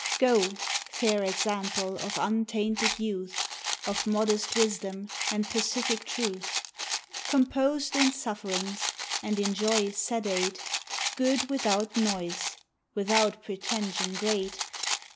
Go! fair example of untainted youth, Of modest wisdom, and pacific truth: Composed in sufferings, and in joy sedate, Good without noise, without pretension great.